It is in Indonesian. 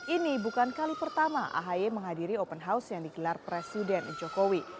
ini bukan kali pertama ahy menghadiri open house yang digelar presiden jokowi